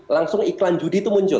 langsung iklan judi itu muncul